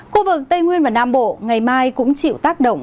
khu vực tây nguyên và nam bộ ngày mai cũng chịu tác động